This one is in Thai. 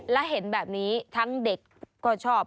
และเห็นแบบนี้ทั้งเด็กก็ชอบ